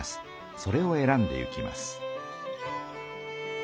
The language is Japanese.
それを選んでいきます。